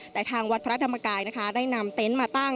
แต่ทางวัดพระธรรมกายนะคะได้นำเต็นต์มาตั้ง